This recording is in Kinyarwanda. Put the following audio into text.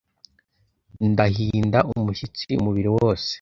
ndahinda umushyitsi umubiri wose